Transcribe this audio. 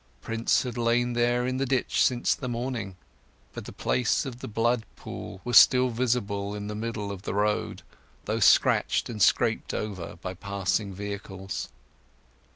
Prince had lain there in the ditch since the morning; but the place of the blood pool was still visible in the middle of the road, though scratched and scraped over by passing vehicles.